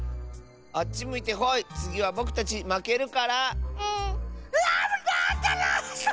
あっちむいてホイつぎはぼくたちまけるから。